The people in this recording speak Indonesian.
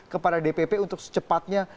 kepada dpp untuk secepatnya